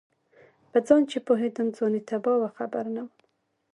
په ځان چې پوهېدم ځواني تباه وه خبر نه وم